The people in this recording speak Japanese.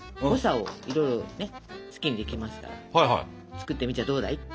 作ってみちゃどうだい？